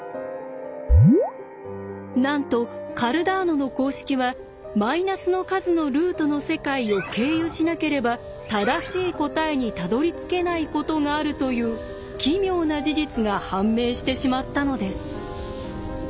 なんとカルダーノの公式はマイナスの数のルートの世界を経由しなければ正しい答えにたどりつけないことがあるという奇妙な事実が判明してしまったのです。